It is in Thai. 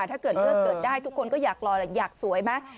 ถ้าเกิดเลือกเกิดได้ทุกคนก็อยากรอแหละอยากสวยไหม